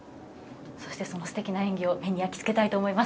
そして、そのすてきな演技を目に焼き付けたいと思います